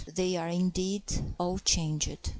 They are, indeed, all changed.